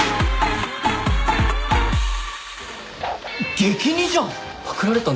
激似じゃん！